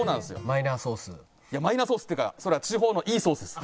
マイナーソースっていうか地方のいいソースです。